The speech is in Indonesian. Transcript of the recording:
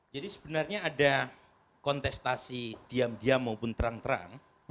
jadi sebenarnya ada kontestasi diam diam maupun terang terang